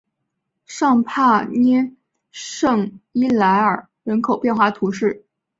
尚帕涅圣伊莱尔人口变化图示